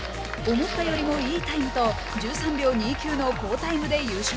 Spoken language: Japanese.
「思ったよりもいいタイム」と１３秒２９の好タイムで優勝。